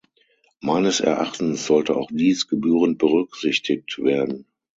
Meines Erachtens sollte auch dies gebührend berücksichtigt werden.